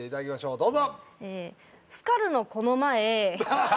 どうぞ！